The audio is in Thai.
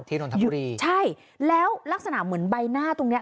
นนทบุรีใช่แล้วลักษณะเหมือนใบหน้าตรงเนี้ย